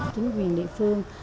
chính quyền địa phương